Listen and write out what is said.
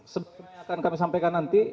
seperti yang akan kami sampaikan nanti